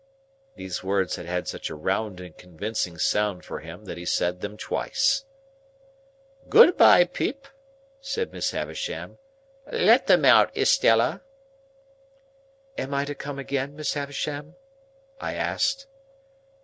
These words had such a round and convincing sound for him that he said them twice. "Good bye, Pip!" said Miss Havisham. "Let them out, Estella." "Am I to come again, Miss Havisham?" I asked.